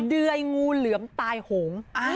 เดื่อยงูเหลือมตายโหง